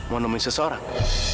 mau nemuin seseorang